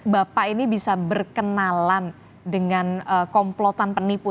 bapak ini bisa berkenalan dengan komplotan penipu